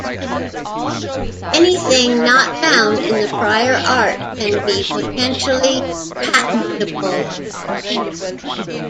Anything not found in the prior art can be potentially patentable.